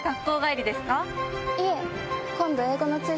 いえ。